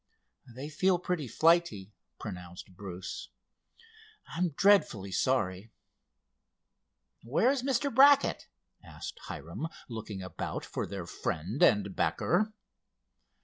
"They feel pretty flighty," pronounced Bruce. "I'm dreadfully sorry." "Where is Mr. Brackett?" asked Hiram, looking about for their friend and backer.